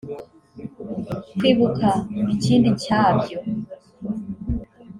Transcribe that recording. Kwibuka ikindi cyabyo